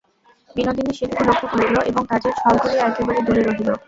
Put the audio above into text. বিনোদিনী সেটুকু লক্ষ্য করিল এবং কাজের ছল করিয়া একেবারে দূরে রহিল।